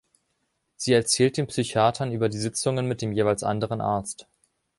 Sie erzählt den Psychiatern über die Sitzungen mit dem jeweils anderen Arzt.